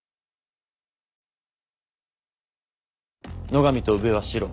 野上と宇部はシロ。